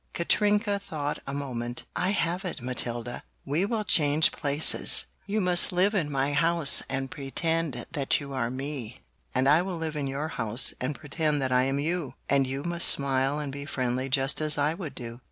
Katrinka thought a moment, "I have it, Matilda! We will change places! You must live in my house and pretend that you are me, and I will live in your house and pretend that I am you! And you must smile and be friendly just as I would do."